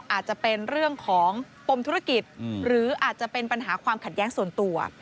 อาจจะเป็นเรื่องของปมธุรกิจหรืออาจจะเป็นปัญหาความขัดแย้งส่วนตัว